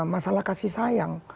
masalah kasih sayang